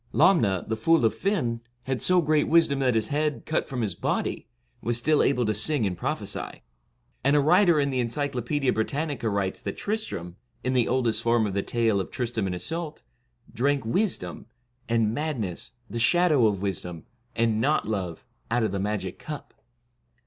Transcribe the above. Lomna, the fool of Fiann, had so great wisdom that his head, cut from his body, was still able to sing and prophesy ; and a writer in the ' Encyclopaedia Britannica ' writes that Tristram, in the oldest form of the tale of Tristram and Iseult, drank wisdom, and madness the shadow of wisdom, and not love, out of the magic cup.